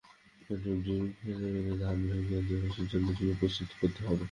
এখন সবজির খেত ভেঙে ধান চাষের জন্য জমি প্রস্তুত করতে হবে।